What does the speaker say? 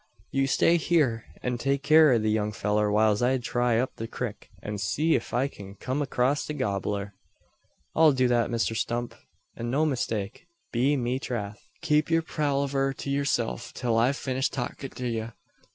You stay hyur, an take care o' the young fellur, whiles I try up the crik, an see if I kin kum acrosst a gobbler." "I'll do that, Misther Stump, an no mistake. Be me trath " "Keep yur palaver to yurself, till I've finished talkin' to ye."